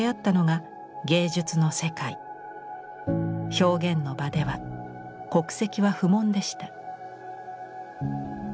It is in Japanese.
表現の場では国籍は不問でした。